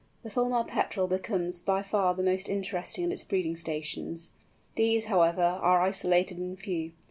The Fulmar Petrel becomes by far the most interesting at its breeding stations. These, however, are isolated and few.